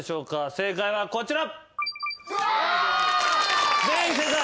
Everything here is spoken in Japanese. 正解はこちら。